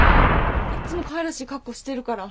いっつもかわいらしい格好してるから。